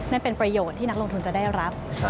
นั่นเป็นประโยชน์ที่นักลงทุนจะได้รับ